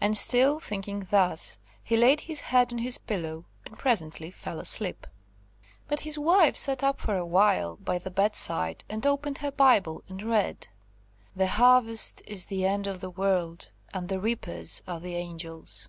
And still thinking thus, he laid his head on his pillow, and presently fell asleep. But his wife sat up for a while by the bedside and opened her Bible, and read, "The harvest is the end of the world, and the reapers are the angels."